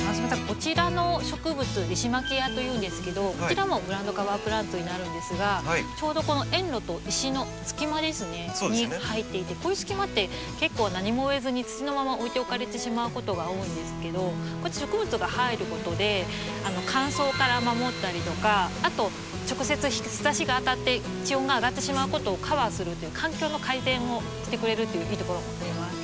こちらの植物リシマキアというんですけどこちらもグラウンドカバープランツになるんですがちょうどこの園路と石の隙間ですねに生えていてこういう隙間って結構何も植えずに土のまま置いておかれてしまうことが多いんですけどこうやって植物が入ることで乾燥から守ったりとかあと直接日ざしが当たって地温が上がってしまうことをカバーするという環境の改善をしてくれるっていういいところもあります。